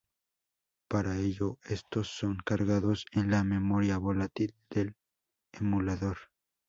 Para ello, estos son cargados en la memoria volátil del emulador.